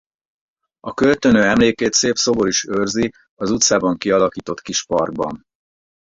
A költőnő emlékét szép szobor is őrzi az utcában kialakított kis parkban.